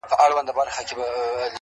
زه راغلی یم چي لار نه کړمه ورکه!!